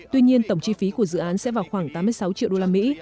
tuy nhiên tổng chi phí của dự án sẽ vào khoảng tám mươi sáu triệu đô la mỹ